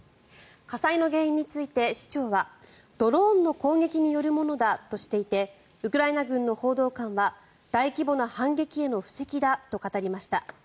火災の原因について市長はドローンの攻撃によるものだとしていてウクライナ軍の報道官は大規模な反撃への布石だと語りました。